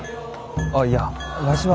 あっいやわしは。